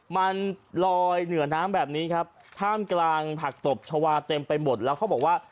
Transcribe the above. มันลอยเหนือน้ำแบบนี้ครับท่ามกลางผักตบชาวาเต็มไปหมดแล้วเขาบอกว่า